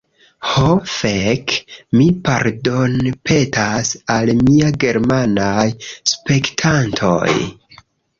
Ho fek'... mi pardonpetas al mia germanaj spektantoj!